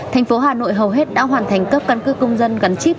thành phố hà nội hầu hết đã hoàn thành cấp căn cước công dân gắn chip